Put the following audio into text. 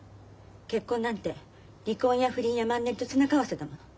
結婚なんて離婚や不倫やマンネリと背中合わせだもの。